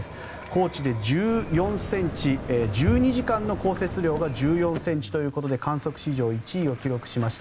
高知で１４ｃｍ１２時間の降雪量が１４ｃｍということで観測史上１位を記録しました。